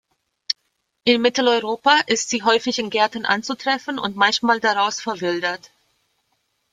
In Mitteleuropa ist sie häufig in Gärten anzutreffen und manchmal daraus verwildert.